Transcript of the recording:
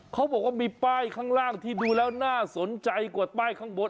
เขาบอกว่ามีป้ายข้างล่างที่ดูแล้วน่าสนใจกว่าป้ายข้างบน